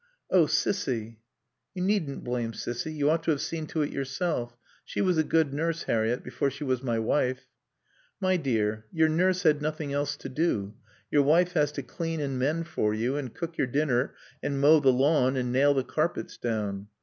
"Oh, Cissy " "You needn't blame Cissy. You ought to have seen to it yourself.... She was a good nurse, Harriett, before she was my wife." "My dear, your nurse had nothing else to do. Your wife has to clean and mend for you, and cook your dinner and mow the lawn and nail the carpets down."